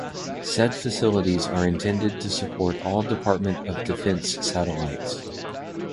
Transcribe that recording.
Said facilities are intended to support all Department of Defense satellites.